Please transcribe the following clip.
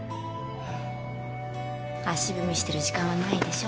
足踏みしてる時間はないでしょ